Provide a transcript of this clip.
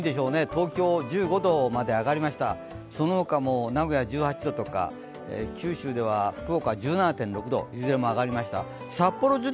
東京、１５度まで上がりました、その他も名古屋１８度とか九州では福岡１７．６度、いずれも上がりました。